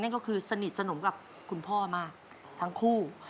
ก็คือสนิทสนมกับคุณพ่อมากทั้งคู่